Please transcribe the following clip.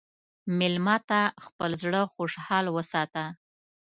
مېلمه ته خپل زړه خوشحال وساته.